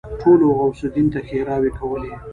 ټولو غوث الدين ته ښېراوې کولې.